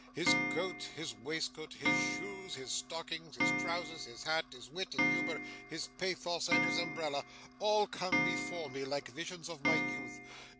His coat, his waistcoat, his shoes and stockings, his trousers, his hat, his wit and humour, his pathos and his umbrella, all come before me like visions of my youth.